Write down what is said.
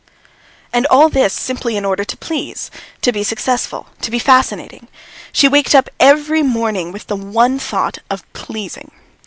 And all this simply in order to please, to be successful, to be fascinating! She waked up every morning with the one thought of "pleasing"!